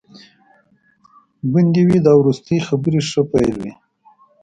ګوندي وي دا وروستي خبري ښه پیل وي.